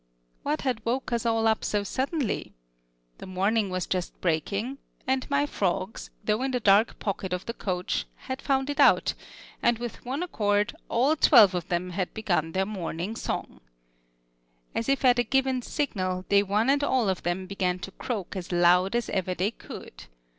What had woke us all up so suddenly? The morning was just breaking, and my frogs, though in the dark pocket of the coach, had found it out; and with one accord, all twelve of them had begun their morning song. As if at a given signal, they one and all of them began to croak as loud as ever they could.